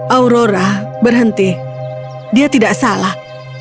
aurora berhenti dia tidak salah